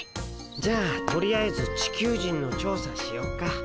じゃあとりあえずチキュウジンの調査しよっか。